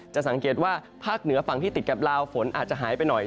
สังเกตว่าภาคเหนือฝั่งที่ติดกับลาวฝนอาจจะหายไปหน่อย